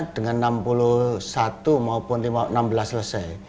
dengan enam puluh satu maupun enam belas selesai